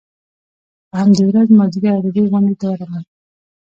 په همدې ورځ مازیګر ادبي غونډې ته ورغلم.